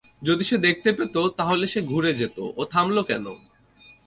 যদি সে দেখতে পেত, তাহলে সে ঘুরে যেত, ও থামলো কেন?